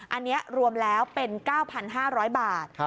อันนี้รวมแล้วเป็น๙๕๐๐บาท